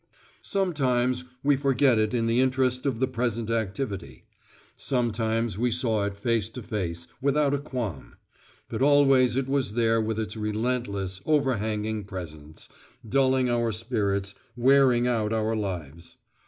Sometimes we forgot it in the interest of the present activity; sometimes we saw it face to face, without a qualm; but always it was there with its relentless overhanging presence, dulling our spirits, wearing out our lives.